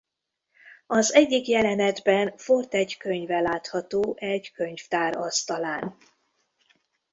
Az egyik jelenetben Fort egy könyve látható egy könyvtár asztalán.